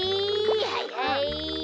はいはい。